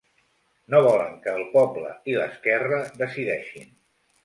No volen que el poble i l’esquerra decideixin.